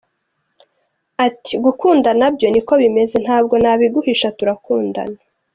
Ati « Gukundana byo niko bimeze, ntabwo nabiguhisha turakundana.